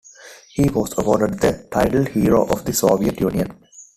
He was awarded the title Hero of the Soviet Union.